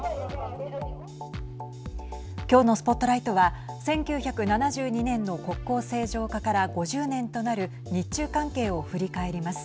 今日のＳＰＯＴＬＩＧＨＴは１９７２年の国交正常化から５０年となる日中関係を振り返ります。